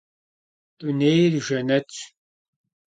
Dunêyr yi jjenetş.